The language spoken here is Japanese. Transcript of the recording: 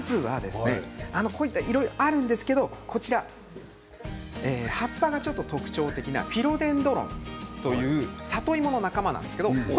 まずはいろいろあるんですけど葉っぱがちょっと特徴的なフィロデンドロンという里芋の仲間です。